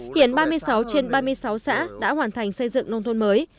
hiện ba mươi sáu trên ba mươi sáu xã đã hoàn thành xây dựng nông thôn mới